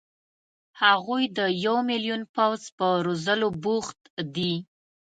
هغوی د یو ملیون پوځ په روزلو بوخت دي.